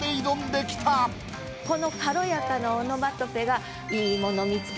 この軽やかなオノマトペが。